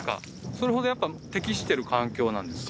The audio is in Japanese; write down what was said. それほどやっぱ適してる環境なんですか？